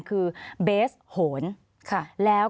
ขอบคุณครับ